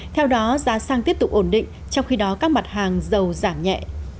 theo đó giá xăng tiếp tục ổn định trong khi đó các mặt hàng dầu giảm nhẹ